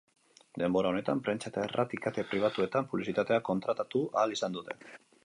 Denbora honetan prentsa eta irrati kate pribatuetan publizitatea kontratatu ahal izan dute.